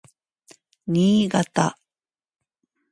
Niigata